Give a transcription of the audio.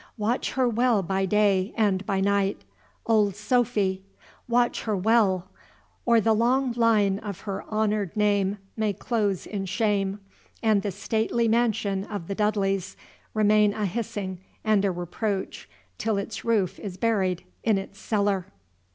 Watch her well by day and by night, old Sophy! watch her well! or the long line of her honored name may close in shame, and the stately mansion of the Dudleys remain a hissing and a reproach till its roof is buried in its cellar!